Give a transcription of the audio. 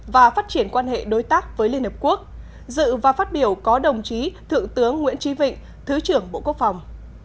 và phát triển quan hệ đối tác với liên hợp quốc dự và phát biểu có đồng chí thượng tướng nguyễn trí vịnh thứ trưởng bộ quốc phòng